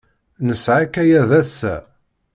Nesɛa akayad ass-a.